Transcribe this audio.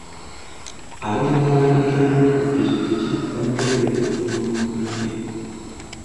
Abatemu ababadde batambulira ku pikipiki bamugoberedde okuva mu makaage .